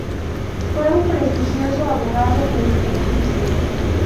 Fue un prestigioso abogado en ejercicio.